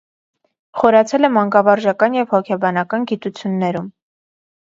Խորացել է մանկավարժական և հոգեբանական գիտություններում։